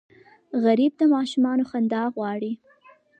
غریب د ماشومانو خندا غواړي